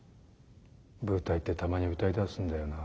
舞台ってたまに歌いだすんだよな。